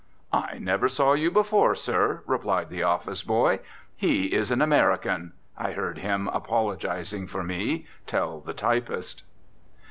"I never saw you before, sir," replied the office boy. "He is an American," I heard him, apologising for me, tell the typist.